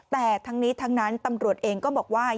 แต่ทั้งนี้ทั้งนั้นตำรวจเองก็บอกว่า